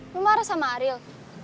lo marah sama ril